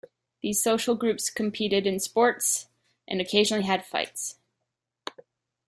These social groups competed in sports and occasionally had fights.